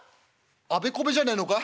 「あべこべじゃねえのか？」。